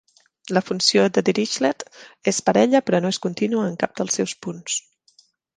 la funció de Dirichlet és parella, però no és contínua en cap dels seus punts.